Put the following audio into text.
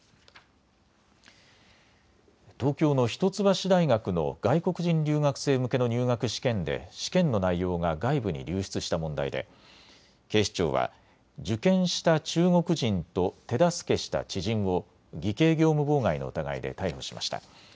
東京の一橋大学の外国人留学生向けの入学試験で試験の内容が外部に流出した問題で警視庁は受験した中国人と手助けした知人を偽計業務妨害の疑いで逮捕しました。